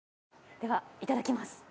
ではいただきます。